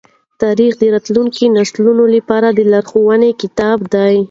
تاریخ د راتلونکو نسلونو لپاره د لارښوونې کتاب دی.